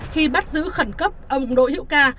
khi bắt giữ khẩn cấp ông đỗ hiệu ca